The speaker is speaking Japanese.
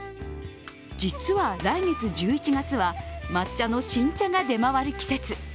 実は来月１１月は抹茶の新茶が出回る季節。